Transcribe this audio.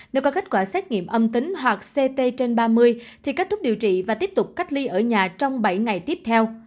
nếu có kết quả xét nghiệm âm tính hoặc ct trên ba mươi thì kết thúc điều trị và tiếp tục cách ly ở nhà trong bảy ngày tiếp theo